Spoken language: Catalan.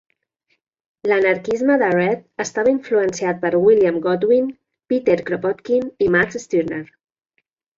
L'anarquisme de Read estava influenciat per William Godwin, Peter Kropotkin i Max Stirner.